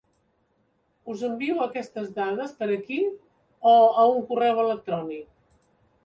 Us envio aquestes dades per aquí o a un correu electrònic?